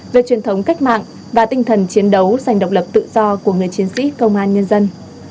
về truyền thống cách mạng và tinh thần chiến đấu dành độc lập tự do của người chiến sĩ công an nhân dân